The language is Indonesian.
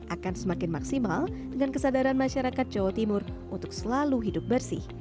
akan semakin maksimal dengan kesadaran masyarakat jawa timur untuk selalu hidup bersih